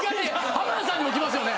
浜田さんにも来ますよね？